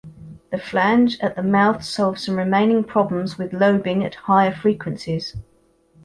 The flange at the mouth solved some remaining problems with lobing at higher frequencies.